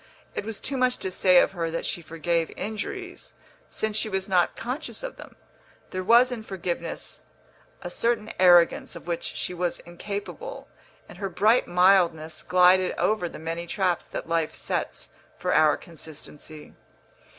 It was too much to say of her that she forgave injuries, since she was not conscious of them; there was in forgiveness a certain arrogance of which she was incapable, and her bright mildness glided over the many traps that life sets for our consistency.